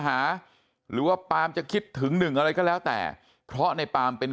หาหรือว่าปามจะคิดถึงหนึ่งอะไรก็แล้วแต่เพราะในปามเป็น